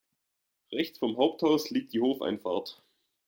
Rechts vom Haupthaus liegt die Hofeinfahrt.